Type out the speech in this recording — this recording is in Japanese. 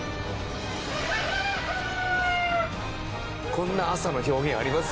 こんな朝の表現あります？